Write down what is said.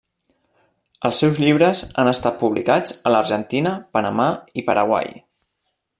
Els seus llibres han estat publicats a l'Argentina, Panamà i Paraguai.